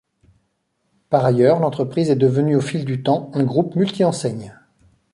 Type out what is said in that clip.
Par ailleurs, l'entreprise est devenue au fil du temps un groupe multi-enseignes.